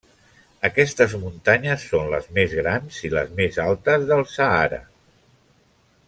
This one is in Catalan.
Aquestes muntanyes són les més grans i les més altes del Sàhara.